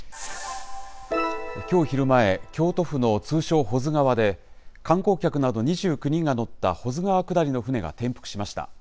きょう昼前、京都府の通称、保津川で観光客など２９人が乗った保津川下りの舟が転覆しました。